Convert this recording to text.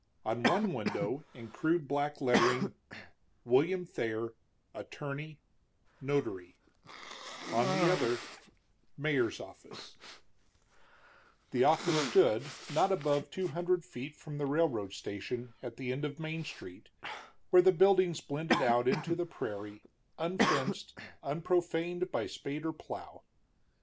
On one window, in crude black lettering: WILLIAM THAYER ATTORNEY NOTARY On the other: MAYOR'S OFFICE The office stood not above two hundred feet from the railroad station, at the end of Main Street, where the buildings blended out into the prairie, unfenced, unprofaned by spade or plow.